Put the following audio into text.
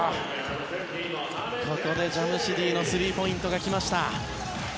ここでジャムシディのスリーポイントが来ました。